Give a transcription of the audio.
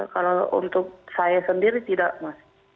kalau untuk saya sendiri tidak mas